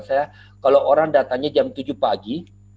saya kalau orang datangnya jam tujuh pagi